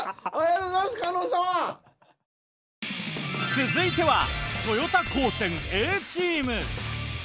続いては豊田高専Ａチーム。